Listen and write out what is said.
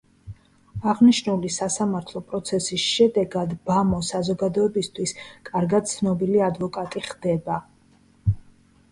აღნიშნული სასამართლო პროცესის შედეგად ბა მო საზოგადოებისათვის კარგად ცნობილი ადვოკატი ხდება.